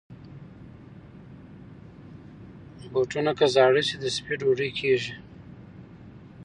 بوټونه که زاړه شي، د سپي ډوډۍ کېږي.